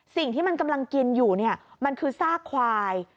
สิ่งที่มันกำลังกินอยู่เนี่ยมันคือซากควาย